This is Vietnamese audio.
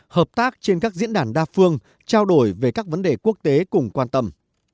hợp tác trên các diễn đàn đa phương trao đổi về các vấn đề quốc tế cùng quan tâm